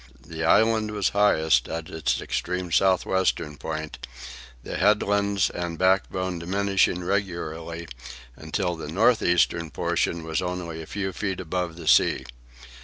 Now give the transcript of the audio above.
The island was highest at its extreme south western point, the headlands and backbone diminishing regularly until the north eastern portion was only a few feet above the sea.